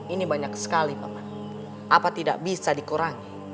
ini banyak sekali pak man apa tidak bisa dikurangi